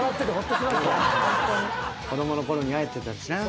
子供のころに会えてたしな。